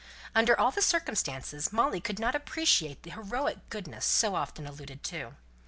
Under all the circumstances, Molly could not appreciate the heroic goodness so often alluded to.